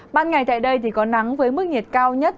ban ngày tại đây thì có nắng với mức nhiệt cao nhất